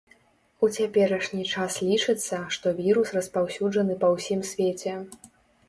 У цяперашні час лічыцца, што вірус распаўсюджаны па ўсім свеце.